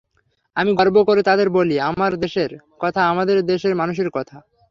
আমি গর্ব করে তাদের বলি আমার দেশের কথা আমাদের দেশের মানুষের কথা।